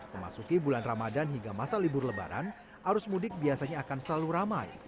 memasuki bulan ramadan hingga masa libur lebaran arus mudik biasanya akan selalu ramai